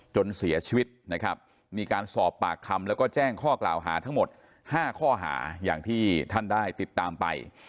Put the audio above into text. จนเสียชีวิตนะครับมีการสอบปากคำแล้วก็แจ้งข้อกล่าวหาทั้งหมด๕ข้อหาอย่างที่ท่านได้ติดตามไป